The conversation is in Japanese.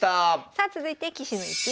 さあ続いて「棋士の逸品」